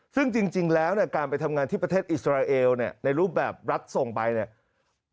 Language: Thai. ซึ่งจริงแล้วเนี่ยการไปทำงานที่ประเทศอิสราเอลเนี่ยในรูปแบบรัฐส่งไปเนี่ย